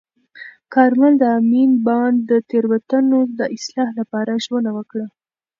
کارمل د امین بانډ د تېروتنو د اصلاح لپاره ژمنه وکړه.